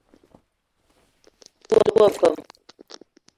Me te wo peum.